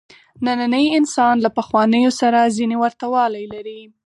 نننی انسان له پخوانیو سره ځینې ورته والي لري.